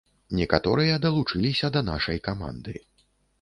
Некаторыя далучыліся да нашай каманды.